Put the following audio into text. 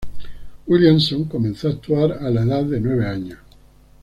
Williamson comenzó a actuar a la edad de nueve años.